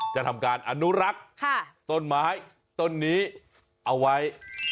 จะทำการอนุรักษ์ต้นไม้ต้นนี้เอาไว้